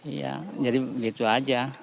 iya jadi begitu aja